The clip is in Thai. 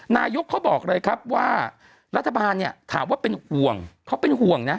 นายกเขาบอกเลยครับว่ารัฐบาลเนี่ยถามว่าเป็นห่วงเขาเป็นห่วงนะ